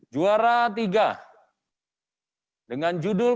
juara tiga dengan judul